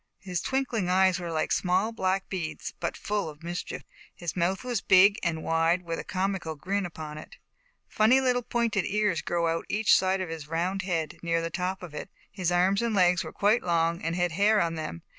His twinkling eyes were like small black beads, but full of mischief. His mouth was big and wide, with a comical grin upon it. Funny little pointed ears grew out on each side of his round head, near the top of it. His arms and legs were quite long and had hair on them.